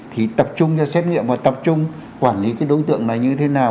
thì tập trung cho xét nghiệm và tập trung quản lý cái đối tượng này như thế nào